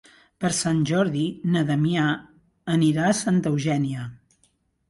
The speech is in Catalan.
Per Sant Jordi na Damià anirà a Santa Eugènia.